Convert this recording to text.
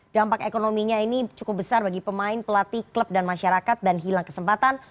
dampak ekonominya ini cukup besar bagi pemain pelatih klub dan masyarakat dan hilang kesempatan